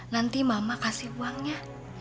nanti mama kasih uangnya